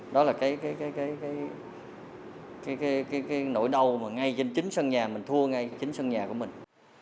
đó là cái nỗi đau mà ngay trên chính sân nhà mình thua ngay chính sân nhà của mình